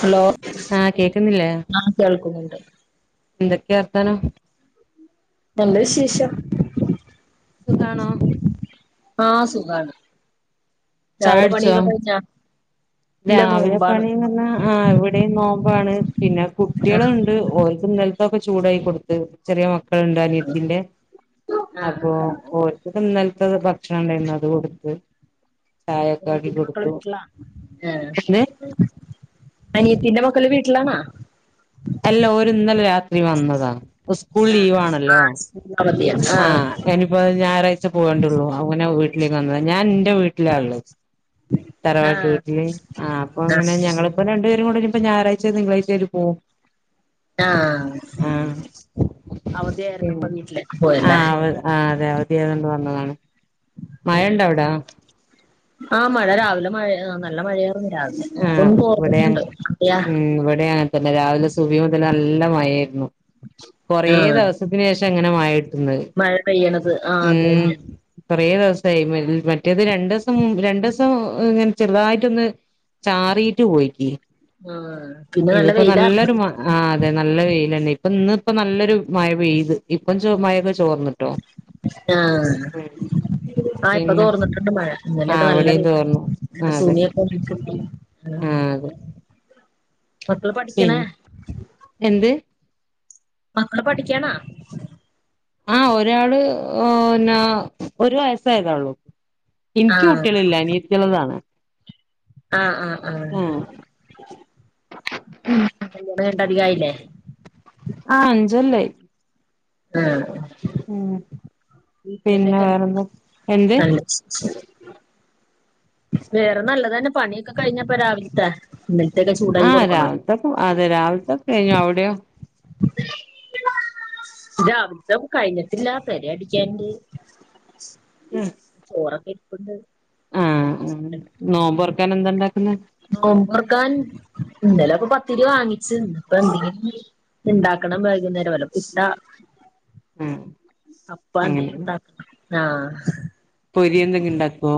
hello ആഹ് കേക്കുന്നില്ലേ ആ കേൾക്കുന്നുണ്ട് എന്തൊക്കെയാ വർത്താനം നല്ല വിശേഷം സുഖാണോ ആഹ സുഖാണ് രാവിലെ ചായുടിച്ചോ പണിയൊക്ക കഴിഞ്ഞാ ഇല്ല രാവിലെ നോമ്പാണ് പണി എന്ന് പറഞ്ഞാ ആ ഇവിടെയും നോമ്പാണ് പിന്നെ ആഹ് കുട്ടികളുണ്ട് ഓർക്കും ഇന്നലത്തെ തൊക്കെ ചൂടായി കൊടുത്ത് ചെറിയ മക്കളുണ്ട് അനിയത്തിന്റെ ആഹ് ആഹ് അപ്പൊ ആഹ് ഓർക്ക് ഇന്നലത്ത ഭക്ഷണം ഉണ്ടായിരുന്നു അത് കൊടുത്ത് ചായക്കെ ആക്കി അനിയത്തിന്റെ മക്കള് കൊടുത്തു വീട്ടിലാ ഏഹ് [unintelligible] അനിയത്തിന്റെ മക്കള് വീട്ടിലാണാ അല്ല ഒരു ഇന്നലെ രാത്രി വന്നതാ പ്പ സ്കൂൾ ആഹ് ആഹ് ലീവാണല്ലോ ആഹ് സ്കൂളിന് അവധിയാ ആ ആഹ് എനിപ്പോ ഞാറാഴ്ച പോണ്ട്യള്ളൂ അങ്ങനെ വീട്ടലേക്ക് വന്നത ഞാൻ ന്റെ വീട്ട്ലാള്ള തറവാട്ട് ആഹ് വീട്ട്ല് ആ അപ്പങ്ങനെ ആഹ് ഞങ്ങള്പ്പൊ രണ്ട് ഇങ്ങോട്ടരുമ്പം ഞാറായ്ചെ തിങ്കളാഴ്ചെരു പോ ആ പിന്നെ അവധിയെയിരുന്നപ്പം വീട്ടിലേക്ക് പോയത പിയാണ്ട് വന്നതാണ് മഴണ്ട അവ്ടാ ആ മഴ രാവിലെ മഴ നല്ല മഴയ ആ പ്പ ഒന്ന് ഇവിടെ തോർന്ന്ട്ടണ്ട് ഉം ഇവിടെ അങ്ങെൻതന്നെ രാവിലെ സുഭയ് മുതല് നല്ല മയേരുന്നു കൊറേ ആഹ് ദിവസത്തിന് ഏഷ ഇങ്ങനെ മഴട്ടുന്ന മഴ പെയ്യണത് ആഹ് അത് മ്മ് തന്നെ കൊറേ ദിവസയി മറ്റേത് രണ്ടൂസം മു രണ്ടുസം ഇങ്ങനെ ചെറുതായിട്ടൊന്ന് ചാറീട്ട് പോയിക്കി ആഹ് പിന്നെ നല്ല ഇത്പ്പോ വെയിലാ നല്ലൊരു മ ആ അതെ നല്ല വെയിലന്ന പ്പ ഇന്ന് ഇപ്പ നല്ലൊരു മഴ പെയ്ത് ഇപ്പം ചൊ മഴക്കെ ചോർന്ന്ട്ടോ ആ ആ ഇപ്പൊ പിന്നെ തോർന്നിട്ട്ണ്ട് മഴ ആ ഇന്നലെക്കെ ഇവിടെയും നല്ലവെയില ചോർന്നു ആ അപ്പ അതെ സുണിയൊക്കെ [inaudible] ആ മക്കള് പിൻ പഠിക്കണേ എന്ത് മക്കള് പഠിക്കാനാ ആ ഒരാള് ഓനാ ഒരു വയസായതള്ളൂ ഇൻക്ക് ആഹ് കുട്ടിള്ല്ല അനീയത്തിള്താണ് ആ ആ ആ [unintelligible] പുള്ആയില്ലെ ആ അഞ്ചല്ലയി ആ അ പിന്നെ ട്രീറ്റ്‌മെന്റ്ക്കണ്ടോ വേറെന്താ എന്ത് നല്ലഹ് വേറെ നല്ലതന്നെ പണീക്കെ കഴിഞ്ഞപ്പ രാവിൽത്തെ ന്നെൽത്തക്കെ ആ ചൂടായി കൊടുക്കണോ രാവിലത്തെക്കെ അതെ രാവിലത്തെക്കെ കഴിഞ്ഞു അവിടെയോ [inaudible] രാവിൽതഹു കഴിഞ്ഞിട്ട്ല്ല പെരഅടിക്കാണ്ട് ചോറൊക്കെ ഇരിപ്ണ്ട് ആ ആ നോമ്പൊറക്കാൻ എന്താ ഇണ്ടാക്കുന്നെ നോമ്പർക്കാൻ ഇന്നല പത്തിരി വാങ്ങിച്ച്ന്ന്പ്പൊ എന്തിനെങ്ങിലും ഇണ്ടാക്കണം വൈകുന്നേരം വല്ല പുട്ട ആ അപ്പ അങ്ങനെ ന്തേലുംണ്ടാ ആ പൊരി എന്തെങ്കി ഇണ്ടാകോ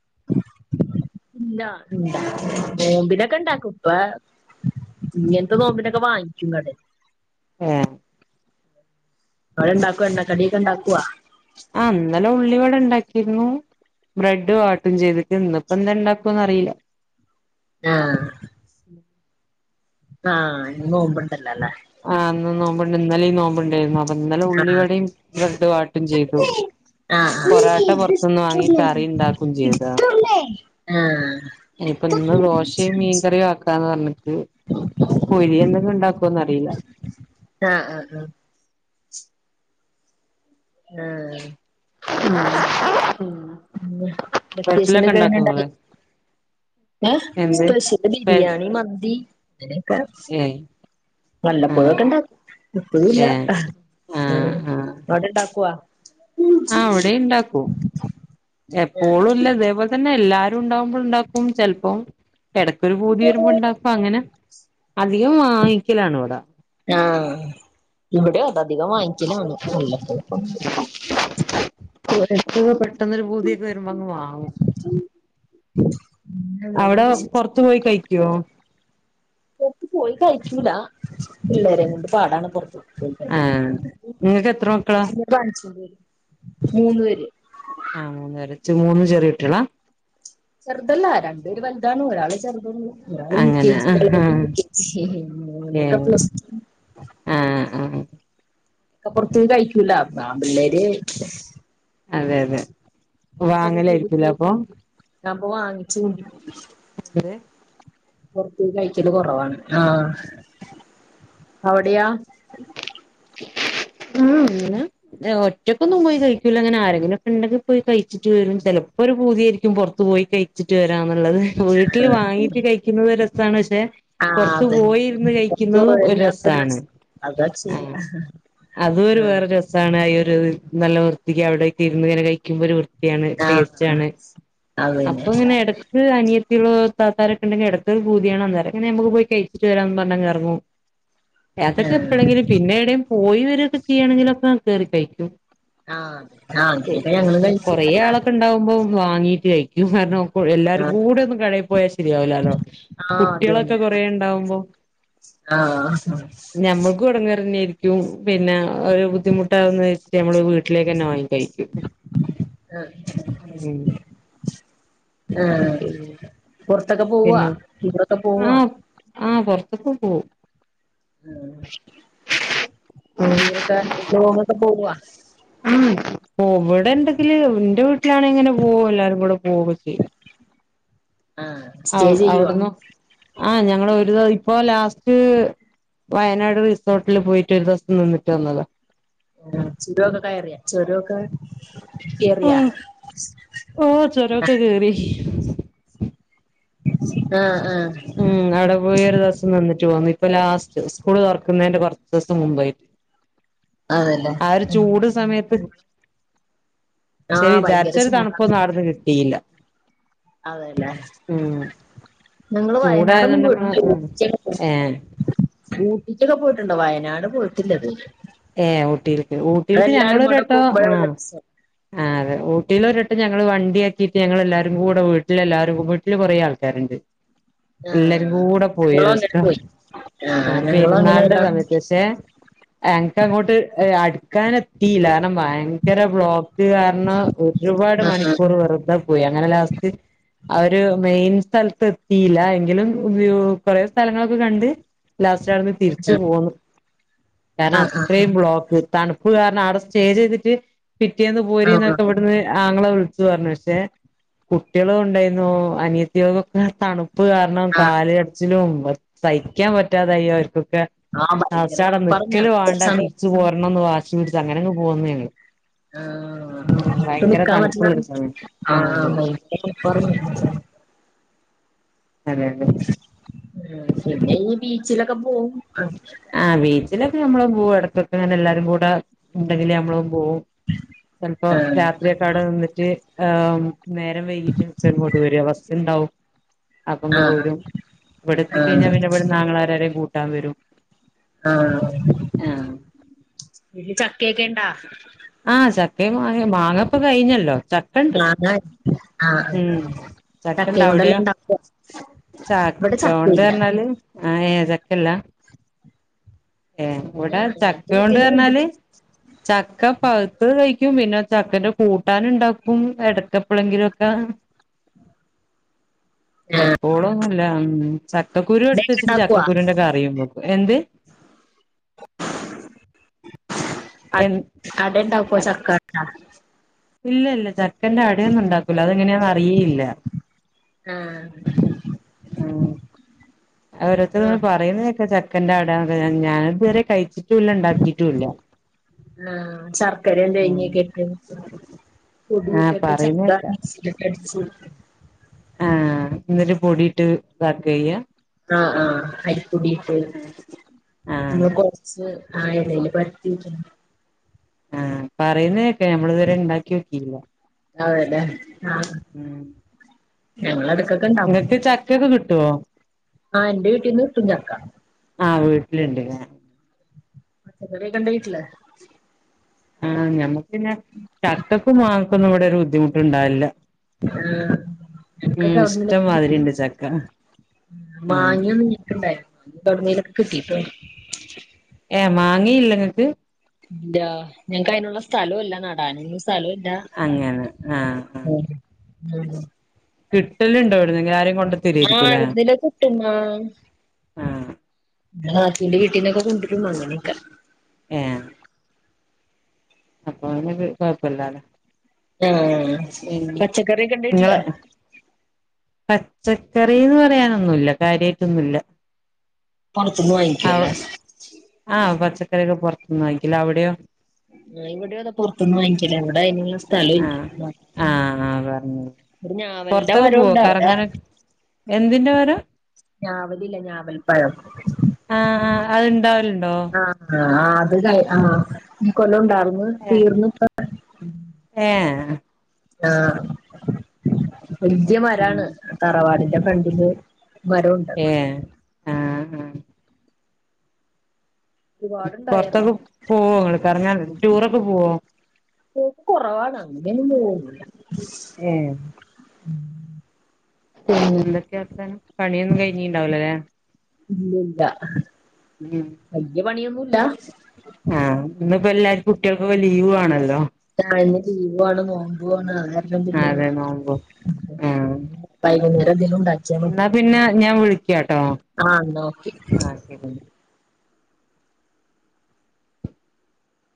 [unintelligible] ഇല്ല [unintelligible] നോമ്പിനൊക്കെണ്ടാകു പെ ഇങ്ങൻത്തെ നോമ്പ്നൊക്കെ വാങ്ങിക്കും കടെ ഏ അഴണ്ടാകൊ എണ്ണകടിക്കെണ്ടാക്കുവ ണ്ടാക്കിര്ന്നു ആ ആ ഇനി നോമ്പൻ ആ ഇന്ന് നോമ്പ്ണ്ട് ഇന്നലെ നോ മുണ്ടേര്ന്നു അപ്പ ഇന്നലെ ആഹ് ഉള്ളിവടിം ബ്രെഡ് വാട്ടിൻ ചെയ്തു ആഹ് ആഹ് പൊറാട്ട പൊർതന്നാങ്ങി കറിണ്ടാക്കും ചെയ്തോ ആഹ് ആഹ് ഇനിപ്പ ഇന്ന് ദോശയും മീൻകറിയും ആക്കാന്ന് പറഞ്ഞിക്ക് പൊരി എന്തൊങ്കെണ്ടാക്കോന്ന് അ അതീല ആഹ് ആഹ് ആഹ [inaudible] വെക്കേഷന് സ്പെഷ്യലൊക്കെ ഒകെ എങ്ങനെ ഉണ്ടാക്കോ നിങ്ങള് ഉണ്ടാക്കി ഏ എന്ത് സ്പെഷ്യല് സ്പെ ബിരിയാണി മന്തി അങ്ങനെയൊക്കെ ഏഹ് നല്ല ആഹ് പുഴൊക്കെ ഇണ്ട പുഴല്ല ഏഹ് അങ്ങോടെ ഇണ്ടാക്കവാ ആ അവിടെ ഉണ്ടാക്കൂ എപ്പോഴും ഇല്ല അതേപോലെ തന്നെ എല്ലാരും ഉണ്ടകുമ്പോ ഉണ്ടാക്കും ചിലപ്പോ ഇടക്കൊരു ഭൂതി വരുമ്പോ ഉണ്ടും അങ്ങനെ അധികം വാങ്ങിക്കലാണ് ഇവിടെ ഇവിടെ അതികം വാങ്ങിക്കലാണ് വല്ലപ്പോഴും എ പെട്ടെന്നരു പൂതിയൊക്കെ വരുമ്പോ അങ്ങ് വാങ്ങും ഉം അവിടെ പൊറത്തു പോയി കഴിക്കുവോ എട്ട പോയി കഴിച്ചൂല പിള്ളേരെയും കൊണ്ട് പാടാണ് പുറത്ത് ആഹ് നിങ്ങക്ക് എത്ര മക്കളാ കാണിച്ചണ്ട മൂന്ന് പേര് മൂന്നും ചെറിയ കുട്ടികള ചെറുതല്ല രണ്ടുപേര് വലുതാണ് ഒരാൾ ചെറുതു ഒരാൾ ഉ കെ അങ്ങനെ ജി അല്ലേ ആഹ് ഏഹ് ആഹ് [unintelligible] ആഹ് ഒക്കെ പുറത്ത് പോയി കഴിക്കൂല പിള്ളേര് അതെ അതെ ഇതൊക്കെ കടിച്ച വാങ്ങലായിരിക്കൂലേ അപ്പൊ ഞപ്പൊ വാങ്ങിച്ചു [unintelligible] പുറത്ത കഴിക്കല് കൊറവാണ് ആഹ അവിടെയാ ഉം അങ്ങനെ ഒറ്റക്കൊന്നും പോയി കഴിക്കൂല അങ്ങനെ ആരെങ്കിലും ഉണ്ടങ്കിൽ പോയി കഴിക്കും ക് വരും ചിലപ്പോ ഒരു പൂതിയായിരിക്കും പുറത്തു പോയി കഴിച്ചിട്ട് വരാം അങ്ങാനുള്ളത് വീട്ടിൽ വാങ്ങിച്ചു കഴിക്കുന്നത് രസമാണ് പക്ഷെ ആഹ് പുറത്ത അതെ പോയിരുന്ന് പുറത്തു കഴിക്കുന്നതും ഒരു പോയന്നെ അപ്പൊ രസമാണ് ഡ്രസ് അതാ ആഹ ശരിയാ അതും ഒരു ആഹ് വേറെ രസമാണ് ഒരു നല്ല ക്ക് അവിടെ ഇരുന്ന്ങ്ങന കഴിക്കുമ്പോ ഒരു ആഹ് ടേസ്റ്റി ആണ് അപ്പ അതന്നെ ഇങ്ങനെ ഇടക്ക് അനിയത്തി ആൾക്കാരുണ്ടെങ്കിൽ ഇടത്തൊ ഭൂതിണ്ണം അങ്ങനെ നമുക്ക് പോയി കഴിച്ചിട്ട് വരാമന്ന് പറഞ്ഞ ഇറങ്ങു അഏതൊക്കെ ആഹ് എപ്പോഴെങ്കിലും പിന്നെ എടടെയും പോയി വരൊക്കെ ചെയ്യാണെങ്കിലൊക്കെ കേറി കഴിക്കും ആഹ് ആഹ് അങ്ങനെയൊക്കെ ഞങ്ങളും കഴിച്ചു കൊറേ അല്ലാതെ ആളൊക്കെ ഉണ്ടാവുമ്പോ വാങ്ങീട്ട് കഴിക്കും കാരണം എല്ലാരും ആഹ് കൂടെ ഒന്നും കഴയിപ്പോ പോയാൽ ശരിയാവലാലോ കുട്ടികളൊക്കെ കൊറെേ ഉണ്ടാവുമ്പോ ആഹ രിക്കും പിന്നെ ഒരു ബുദ്ധിമുട്ടാകുന്ന വെച്ച് നമ്മള് വീട്ടിലേക്ക് തന്നെ വാങ്ങിക്കും [unintelligible] ആഹ് പിന്നെ പുറത്തൊക്കെ പോവാ പിന്നെ ടൂറൊക്കെ പോവാ ആഹ ആഹ് അതൊക്കെ പോകും [unintelligible] പോ ഇവിടെണ്ടെങ്കില് എന്റെ വീട്ടിലാണ ഇങ്ങനെ പോവ എല്ലാരും കൂടെ പോവുക ചെയ്യ ആഹ് സ്റ്റേ അവ് ചെയ്യുവാ അവിട്ന്നൊ ആ ഞങ്ങള് ഒരു ഇപ്പോ ലാസ്റ്റ് ട് വയനാട് റിസോർട്ടില് പോയിട്ട് ഒരു ദിവസം നിന്നിട്ട് വന്നതാ ആ ചുരമൊക്കെ കയറിയാ ചുരൊക്കെ ആ ഓ ചൊരൊക്കെ കേറി ആ ഉം അവിടെ പോയി ഒരു ദിവസം നിന്നിട്ട് പോന്നി ഇപ്പൊ ലാസ്റ്റ് ഉസ്കൂള് തൊറക്ക്ന്നേന്റെ കൊറച്ച ദിവസം മുമ്പായിട്ട് അതല്ലേ ആ ഒരു ചൂട് സമയത്ത് ആ പക്ഷെ ഭയങ്കര വിചാരിച്ചൊരു ചൂടാണ് തണുപ്പൊന്നും അവിടുന്ന് കിട്ടിയില്ല അതെല്ലേ ഉം നിങ്ങള് വയനാടൊന്നും ചൂടായതുകൊണ്ട് നമ്മള് ഉം പോയിട്ടില്ല ഏ ഇറ്റൊക്കെ പോയിട്ടുണ്ടോ വയനാട് പോയിട്ടില്ലത് ഏ ഊട്ടിലക്ക് ഊട്ടിക്ക് ഞങ്ങളൊരു കൂടെ ട്ടോ ആ പോകുമ്പോഴാണ് രസം ആ അതെ ട്ടിലൊരിട്ടം ഞങ്ങള് വണ്ടിയാക്കിട്ട് ഞങ്ങളെല്ലാരും കൂടെ വീട്ടിലെല്ലാരും വീട്ടില് കൊറേ ആൾക്കാരുണ്ട് എല്ലാരും ആഹ് കൂടെ ഞങ്ങളും പോയിരുസ അങ്ങനെ പോയി ആഹ് ആ ഞങ്ങളും അങ്ങനെ പെരുന്നാള്ട ഒരാൾ സമയത്ത്ക്ഷെ എനക്കെപ്പയു എ അടുക്കാനെത്തീലരണം ഭയങ്കര ബ്ലോ ഇത് കാരണം ഒരുപാട് ആഹ് മണിക്കൂർ വെറുതാ പോയി അങ്ങനെ ലാസ്റ്റ് അവര് മെയിൻ സ്ഥലത്ത് എത്തിയില്ല എങ്കിലും കൊറേ സ്ഥലങ്ങളൊക്കെ കണ്ട് ലാസ്റ്റ ആട്ന്ന് തിരിച്ചു പോന്നു കാരണം ആഹ് ആഹ് അത്രെം ബ്ലോക്ക് തണുപ്പ് കാരണം ആടെ സ്റ്റേ ചെയ്തിട്ട് പിറ്റേന്ന് പോരി ആഹ് എന്നൊക്കെ ഇവിടുന്ന് ആങ്ങളെ പറഞ്ഞു പക്ഷെ കുട്ടികള് ഉണ്ടായിന്നൂ അനിയത്തിയ ഒക്കെ തണു പ്പ് കാരണം ആഹ് കാല കടച്ച്ലും തയ്ക്കാൻ പറ്റാതായി അവർക്ക് ആഹ് ഭയങ്കര അവശാട തണുപ്പാർന്നു നിക്കല് ഞങ്ങള് പോയ വേണ്ട സമയത്ത് തിരിച്ചു പോരണംന്ന് വാശി പിടിച്ച അങ്ങനെങ് പോന്ന്ഞങ്ങള് ആ നിക്കാ തണുപ്പുള്ളൊരു സമയം ആഹ് അതെ [unintelligible] അതെ അതെ ഇനി ബീച്ചിലൊക്കെ പോവും ലക്കെ ഞമ്മള് പോവു ഇടക്കൊക്കെങ്ങനെല്ലാരും കൂടെ ണ്ടെങ്കിൽ നമ്മളും പോം ചെലപ്പോ ആഹ് രാത്രിയക്കെ അടെ നിന്നിട്ട് ആഹ നേരം വൈകിട്ട്ക്കെങ്ങോട്ട് വരിക ബസ് ഉണ്ടാവും അപ്പങ് ആഹ് പോരും ഇവിടെ എത്തി കയ്ഞ്ഞാ ആഹ് ആഹ് പിന്നവിടെന്നാങ്ങളാരാരെം കൂട്ടാമരും ആ ഇ ചക്കയൊക്കെണ്ടാ ഏയ് മാ മാങ്ങപ്പ കഴിഞ്ഞല്ലോ ചക്കണ്ട് ആ ആ ഉം ചക്കണ്ട് തക്കയും കൊണ്ടല്ലാം അവിടെയോ ഉണ്ടാക്ക ചക്കോണ്ട് പർഞ്ഞാല് ആഹ ഏ ചക്കല്ല ഏ ഇവിടെ ആഹ് ഞാൻ ചക്ക എന്റെ കൊണ്ട് വീട്ടീന്ന് പറഞ്ഞാല് കൊണ്ടരും ചക്ക പകുത്ത് കഴിക്കും പിന്നെ ചക്കന്റെ കൂട്ടാന ഉണ്ടാക്കും എടക്കപ്പഴെങ്കിലുഒക്കെ ആഹ് എപ്പോഴൊന്നുല്ല ചക്കക്കുരു എടുത്ത് അടയൊക്കെ വെച്ചിട്ട് ഉണ്ടാക്കുവോ ചക്കക്കുരുന്റെ കറി ക്കും എന്ത് അ എ അടേണ്ടാക്കോ ചക്ക ഇല്ല ഇല്ല ചട്ട ഇല്ല അടൊന്നും ഉണ്ടാക്കൂല അത്ങ്ങനെയാന്നറിയേയില്ല ആഹ് ഓരോത്തന്ന് ആഹ് പറയുന്നെക്കെ ചക്കന്റെടാന്ന് ഞാന് തുവരെ കഴിച്ചിട്ടുംല്ല ഉണ്ടാക്കിട്ടുംല്ല ആ ശർക്കര തേങ്ങെക്കിട്ട് ആ പറയുന്നേക്കാ മിക്സിയിലൊക്കെ അടിച്ച് ആ എന്നിട്ട് പൊടിട്ട് ഇതാക്കയ്യ ആ ആ അരിപ്പൊടിട്ട് ആ പിന്നെ കൊയച്ച് ആ എലേല് പര്ത്തി ആ പറയുന്നക്കെ ഞമ്മളിതുവരെ ഉണ്ടാക്കി ഓക്കില്ല അ അല്ലെ ക്കെണ്ടാക്കും നിങ്ങക്ക് ചക്കൊക്കെ കിട്ടുവോ ആ എന്റെ വീട്ടീന്ന് തുഞ്ഞാക്ക ഇണ്ട് അ വേഖണ്ട വീട്ടില് ആഹ് ബുദ്ധമു് ണ്ടാവില്ല ആഹ് ഉ ഞങ്ങക്കൊക്കെ ഇഷ്ടംമാതിരിയുണ്ട് ചക്ക ആഹ് മാങ്ങിയൊ നീട്ടണ്ടായിരുന്നു കടുുന്നീലൊക്കെ കിട്ടീട്ട് ഏ മാങ്ങിയില്ല നിങ്ങനക്ക് ഇ ഞങ്ങക്ക് അതിനുള്ള സ്ഥലമല്ല നടാൻ സ്ഥലമില്ല അങ്ങനെ കിട്ടല് ഉണ്ടോ അവിടുന്ന്‌ അതൊ ആരെലും കൊണ്ട് ആഹ് തരുവായിരിക്കുംഅല്ലെ എവിടുന്നേലും കിട്ടും ആഹ് ആഹ നാത്തൂന്റെ വീട്ടീന്നൊക്കെ കൊണ്ട് വരും ആ അങ്ങനെയൊക്കെ ഏഹ് അപ്പൊ അവിടെ കൊഴപ്പില്ലല്ലെ ആഹ പച്ചക്കറിയൊക്കെ ഉണ്ടോ വീട്ടിൽ പച്ചക്കറിന്ന് പറയാനൊന്നുമില്ല കാര്യമായിട്ടൊന്നുമില്ല പൊറത്ത്ന്ന് വാങ്ങിക്കുവല്ലേ ആ പച്ചക്കറിയക്കെ പുറത്തു വാങ്ങിക്കല അവിടെയോ ആ ഇവിടെ അതെ പൊറത്തുന്ന് വാങ്ങിക്കല എവിടെ അയിനുള്ള സ്ഥലം ആഹ് ഇല്ല ആഹ് ആഹ് പറഞ്ഞ് ഒരു ഞാവലിന്റെ പുറത്തൊക്കെ പോവോ മരമുണ്ട് അവിടെ കറങ്ങാന എന്തിന്റെ മര ഞാവൽ ഇല്ലേ ഞാവൽപ്പഴം ആ ആ അത്ണ്ടാവലുണ്ടോ ആഹ ആ അത് ആഹ് ഈ കൊല്ലം ഉണ്ടാർന്ന് ഏ തീർന്ന്‌ ഇപ്പൊ ആഹ വലിയ മരമാണ് തറവാടിന്റെ ഫ്രണ്ടില് മരൊണ്ട് ഏ ആ ഉം ആ ഒരുപാടുണ്ടായിരുന്നു പുറത്തൊക്കെ പോവൊ നിങ്ങൾ കറങ്ങാൻ ടൂറൊക്കെ പോവൊ ഒ കൊറവാണ് അങ്ങനെ എങ്ങും പോവൊന്നുമില്ല ഏ ഉം എന്തൊക്കെ വർത്താനം പണിയൊന്നും കഴിഞ്ഞിട്ടുണ്ടാവില്ല അല്ലേ ഇല്ല ഇല്ല വലിയ പണിയൊന്നുമില്ല ഇന്നിപ്പ എല്ലാരും കുട്ടികൾക്കിപ്പം ലീവ് ആണല്ലോ ആ ഇന്ന് ലീവാണ് നോമ്പാണ് ഉം അതെ നോമ്പും [unintelligible] ആ വൈകുന്നേരം ന്തേലും ഉണ്ടാക്കിയ മതി എന്നാ പിന്നെ ഞാൻ വിളിക്കാട്ടോ ആഹാ ഓക്കെ ആ ശരി